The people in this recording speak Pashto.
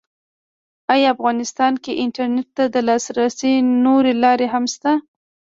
ایا افغانستان کې انټرنېټ ته د لاسرسي نورې لارې هم شته؟